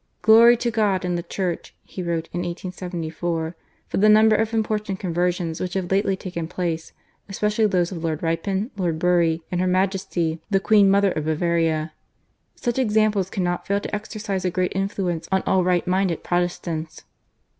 " Glory to God and the Church," he wrote in 1874, " for the number of important conversions which have lately taken place, especially those of Lord Ripon, Lord Bury, and Her Majesty the Queen Mother of Bavaria. Such examples cannot fail to exercise a great influence on all right minded Protestants."